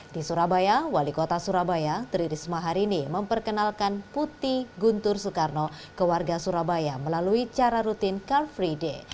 di surabaya wali kota surabaya tri risma hari ini memperkenalkan putih guntur soekarno ke warga surabaya melalui cara rutin car free day